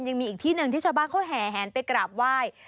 ยังมีอีกที่หนึ่งที่ชาวบ้านเขาแห่แหนไปกราบไหว้